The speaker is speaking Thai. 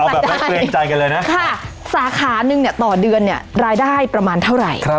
เราแบบนะเครงใจกันเลยนะสาขานึงต่อเดือนรายได้ประมาณเท่าไหร่